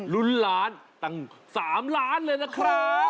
ลุ้นล้านตั้ง๓ล้านเลยนะครับ